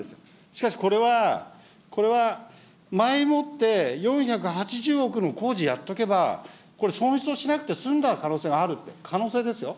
しかし、これは、これは前もって４８０億の工事やっとけば、これ、損失をしなくて済んだ可能性があると、可能性ですよ。